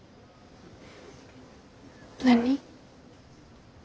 何？